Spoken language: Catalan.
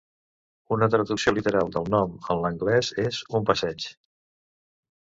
Una traducció literal del nom a l'anglès és "un passeig".